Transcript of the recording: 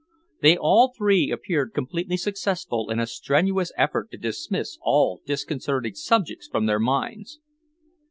They all three appeared completely successful in a strenuous effort to dismiss all disconcerting subjects from their minds.